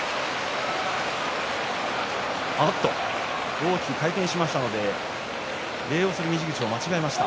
大きく回転しましたので礼をする方向を間違えました。